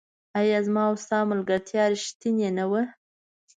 آيا زما او ستا ملګرتيا ريښتيني نه وه